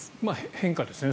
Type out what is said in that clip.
変化ですよね。